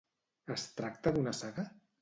Es tracta d'una saga?